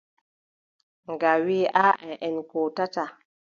Nga wii: aaʼa en kootataa.